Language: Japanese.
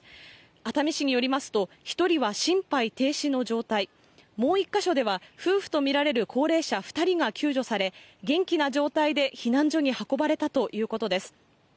熱海市によりますと、１人は心肺停止の状態、もう１か所では夫婦と見られる高齢者２人が救助され、元気な状態で、避難所に運ばれたということです。